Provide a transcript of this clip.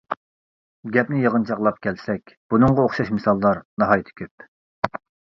گەپنى يىغىنچاقلاپ كەلسەك، بۇنىڭغا ئوخشاش مىساللار ناھايىتى كۆپ.